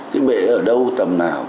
cái bể ở đâu tầm nào